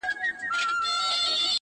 احساس د سړیتوب یم ور بللی خپل درشل ته,